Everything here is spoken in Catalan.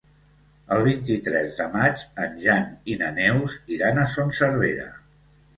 El vint-i-tres de maig en Jan i na Neus iran a Son Servera.